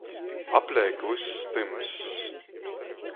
Apleik vyss tymss.